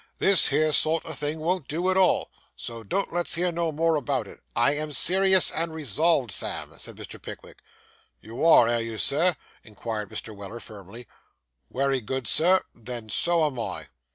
'This here sort o' thing won't do at all, so don't let's hear no more about it.' I am serious, and resolved, Sam,' said Mr. Pickwick. 'You air, air you, sir?' inquired Mr. Weller firmly. 'Wery good, Sir; then so am I.